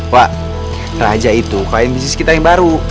wah raja itu klien bisnis kita yang baru